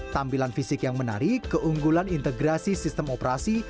tampilan fisik yang menarik keunggulan integrasi sistem operasi